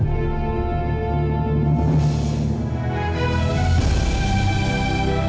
amara marahullenfangu saudara saudari sudah malu